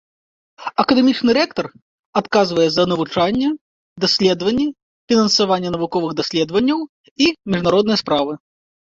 Акадэмічны рэктар адказвае за навучанне, даследаванні, фінансаванне навуковых даследаванняў і міжнародныя справы.